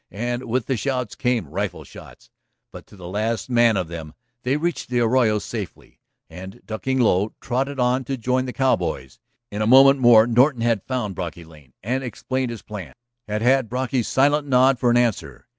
And with the shouts came rifle shots. But to the last man of them they reached the arroyo safely, and ducking low, trotted on to join the cowboys. In a moment more Norton had found Brocky Lane, had explained his plan, had had Brocky's silent nod for an answer.